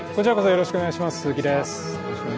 よろしくお願いします。